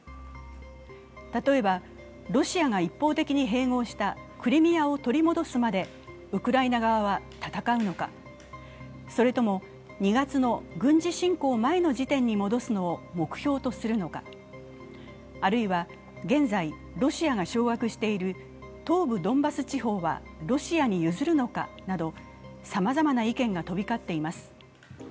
例えばロシアが一方的に併合したクリミアを取り戻すまでウクライナ側は戦うのか、それとも２月の軍事侵攻前の時点に戻すのを目標とするのか、あるいは現在、ロシアが掌握している東部ドンバス地方はロシアに譲るのかなど、さまざまな意見が飛び交っています。